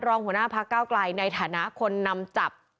รองหัวหน้าพักเก้าไกลในฐานะคนนำจับ